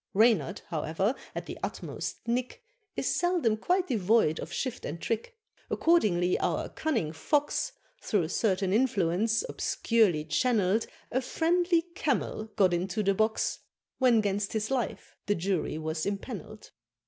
Reynard, however, at the utmost nick, Is seldom quite devoid of shift and trick; Accordingly our cunning Fox, Through certain influence, obscurely channel'd A friendly Camel got into the box, When 'gainst his life the Jury was impanel'd.